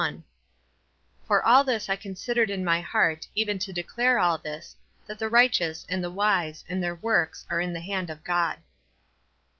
11 For nil this I considered in my henrt, even to declare nil this, that the righteous, and the wise, and their works, are in the hand of God."